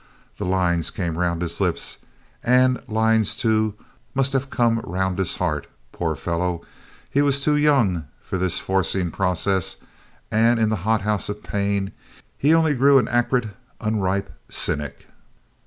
The lines came round his lips, and lines too must have come round his heart. Poor fellow, he was too young for this forcing process, and in the hot house of pain he only grew an acrid, unripe cynic.